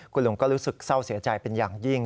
คุณลุงก็รู้สึกเศร้าเสียใจเป็นอย่างยิ่ง